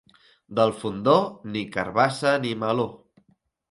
Del Fondó, ni carabassa ni meló.